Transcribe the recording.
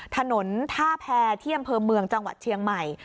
ถนนท่าแพรที่อำเภอเมืองจังหวัดเชียงใหม่